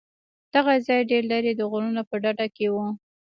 دغه ځاى ډېر لرې د غرونو په ډډه کښې و.